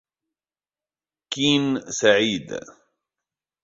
كين سعيد.